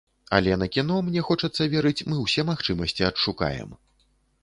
Але на кіно, мне хочацца верыць, мы ўсе магчымасці адшукаем.